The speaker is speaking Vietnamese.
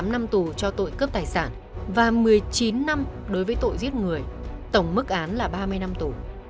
tám năm tù cho tội cướp tài sản và một mươi chín năm đối với tội giết người tổng mức án là ba mươi năm tù